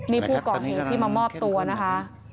นี่ผู้ก่อเหตุที่มามอบตัวนะคะ